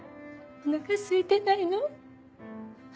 お腹すいてないの？